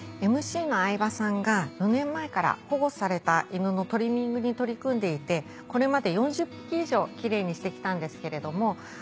ＭＣの相葉さんが４年前から保護された犬のトリミングに取り組んでいてこれまで４０匹以上キレイにして来たんですけれども。